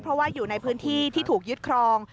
เพราะว่าอยู่ในพื้นที่ที่ถูกยึดครอง